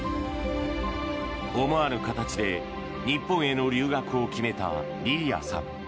思わぬ形で日本への留学を決めたリリアさん。